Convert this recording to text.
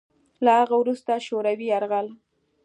له هغه وروسته شوروي یرغل